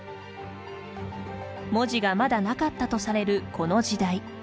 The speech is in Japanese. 文字が、まだなかったとされるこの時代。